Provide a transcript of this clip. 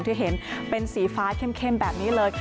ที่เห็นเป็นสีฟ้าเข้มแบบนี้เลย